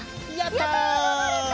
やった！